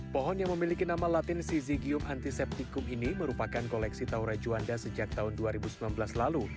pohon yang memiliki nama latin sizigium antiseptikum ini merupakan koleksi taura juanda sejak tahun dua ribu sembilan belas lalu